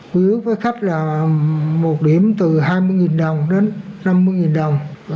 quý ước với khách là một điểm từ hai mươi đồng đến năm mươi đồng